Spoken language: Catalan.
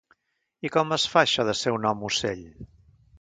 I com es fa això de ser un home-ocell?